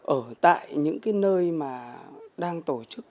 ở tại những nơi đang tổ chức